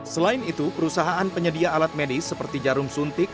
selain itu perusahaan penyedia alat medis seperti jarum suntik